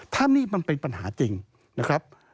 ถ้านี่มันเป็นปัญหาจริงนะครับ